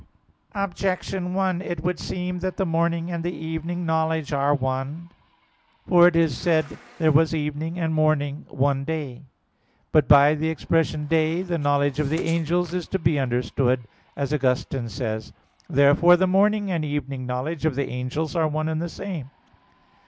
Objection 1: It would seem that the morning and the evening knowledge are one. For it is said (Gen. 1:5): "There was evening and morning, one day." But by the expression "day" the knowledge of the angels is to be understood, as Augustine says (Gen. ad lit. iv, 23). Therefore the morning and evening knowledge of the angels are one and the same.